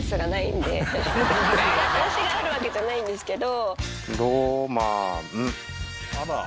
私があるわけじゃないんですけど。